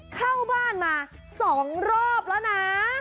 เข้าบ้านมา๒รอบแล้วนะ